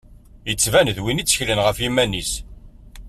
Yettban d win i tteklen ɣef yiman-is.